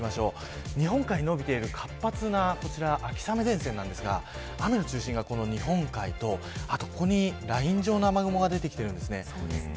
日本海に延びている活発な秋雨前線ですが雨の中心が日本海とここに、ライン状の雨雲が出てきています。